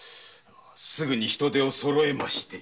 すぐに人手をそろえまして。